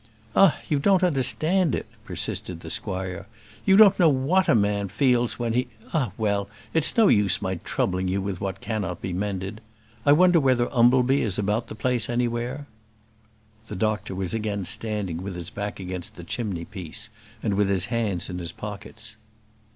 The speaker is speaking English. "Ah! you don't understand it," persisted the squire. "You don't know how a man feels when he Ah, well! it's no use my troubling you with what cannot be mended. I wonder whether Umbleby is about the place anywhere?" The doctor was again standing with his back against the chimney piece, and with his hands in his pockets.